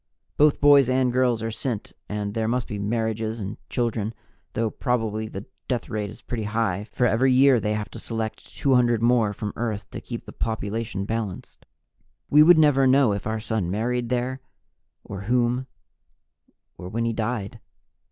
Both boys and girls are sent and there must be marriages and children though probably the death rate is pretty high, for every year they have to select 200 more from Earth to keep the population balanced. We would never know if our son married there, or whom, or when he died.